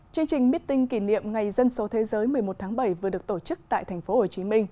chương trình meeting kỷ niệm ngày dân số thế giới một mươi một tháng bảy vừa được tổ chức tại tp hcm